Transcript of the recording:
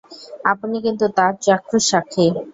আপনি কিন্তু তার চাক্ষুষ সাক্ষী!